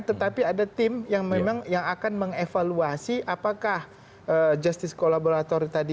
tetapi ada tim yang memang yang akan mengevaluasi apakah justice collaborator tadi